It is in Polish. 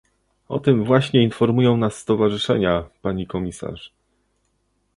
O tym właśnie informują nas stowarzyszenia, pani komisarz